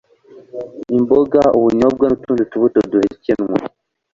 imboga, ubunyobwa n'utundi tubuto duhekenywa.